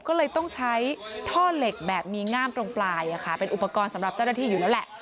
ก็เลยต้องใช้ท่อเหล็กแบบมีง่ามตรงปลายเป็นอุปกรณ์สำหรับเจ้าหน้าที่อยู่แล้วแหละ